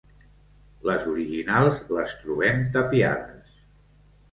Les originals les trobem tapiades.